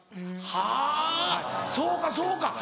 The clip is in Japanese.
はぁそうかそうか。